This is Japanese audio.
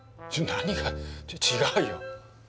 何が違うよ！